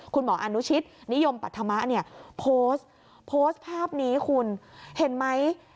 คุณหมออนุชิตนิยมปัจธรรมะโพสต์ภาพนี้คุณเห็นไหม